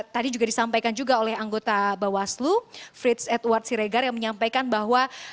tadi juga disampaikan juga oleh anggota bawaslu frits edward siregar yang menyampaikan bahwa